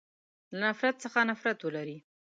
له نفرت څخه نفرت ولری.